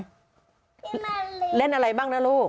พี่มะลิเล่นอะไรบ้างนะลูก